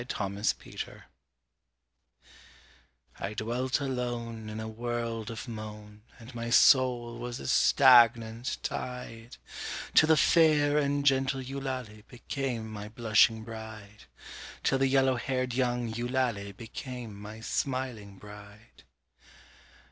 EULALIE A SONG I dwelt alone In a world of moan, And my soul was a stagnant tide, Till the fair and gentle Eulalie became my blushing bride Till the yellow haired young Eulalie became my smiling bride.